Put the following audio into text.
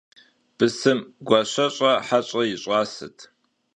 Bısım guaşeş'e heş'e yi ş'ased.